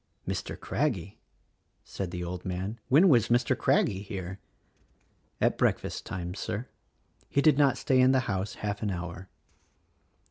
"Mr. Craggie?" said the old man, "When was Mr. Craggie here?" "At breakfast time, Sir. He did not stay in the house half an hour."